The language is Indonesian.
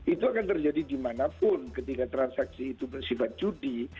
itu akan terjadi dimanapun ketika transaksi itu bersifat judi